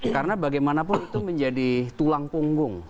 karena bagaimanapun itu menjadi tulang punggung